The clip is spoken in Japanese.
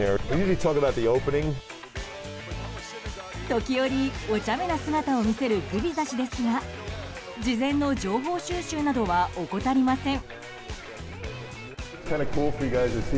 時折おちゃめな姿を見せるグビザ氏ですが事前の情報収集などは怠りません。